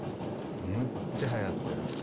むっちゃはやってる。